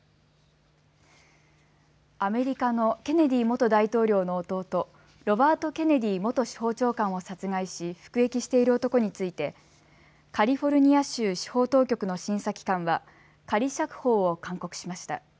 アメリカのケネディ元大統領の弟、ロバート・ケネディ元司法長官を殺害し服役している男についてカリフォルニア州司法当局の審査機関は、仮釈放を勧告しました。